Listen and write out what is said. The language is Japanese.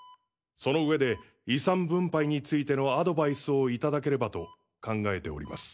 その上で遺産分配についてのアドバイスをいただければと考えております。